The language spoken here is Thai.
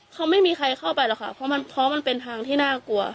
เขาไม่มีใครเข้าไปหรอกค่ะเพราะมันเป็นทางที่น่ากลัว